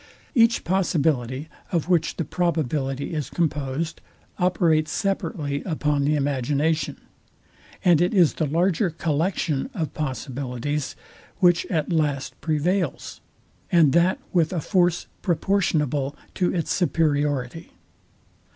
Each possibility, of which the probability is composed, operates separately upon the imagination; and it is the larger collection of possibilities, which at last prevails, and that with a force proportionable to its superiority.